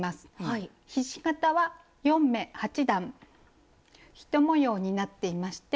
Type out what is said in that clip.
ひし形は４目８段１模様になっていまして。